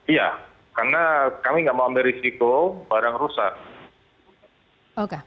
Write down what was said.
iya karena kami tidak mau ambil risiko barang rusak